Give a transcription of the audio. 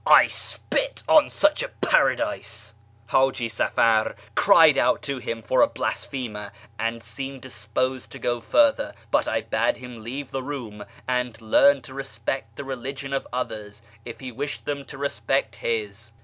I spit on such a paradise !" Haji Safar cried out u]3on him for a blasphemer, and seemed dis posed to go further, but I bade him leave the room and learn to respect the religion of others if he wished them to respect his.